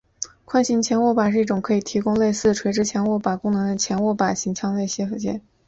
宽型前握把是一种可以提供类似垂直前握把功能的前握把类枪械附件。